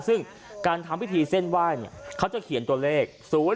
ซึ่งการทำพิธีเส้นไหว้เขาจะเขียนตัวเลข๐๘